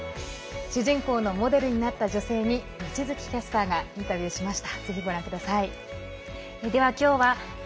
主人公のモデルになった女性に望月キャスターがインタビューしました。